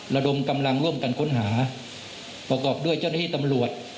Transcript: ระดมกำลังร่วมกันค้นหาประกอบด้วยเจ้าหน้าที่ตำรวจ